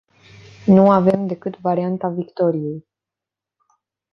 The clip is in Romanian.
Nu avem decât varianta victoriei.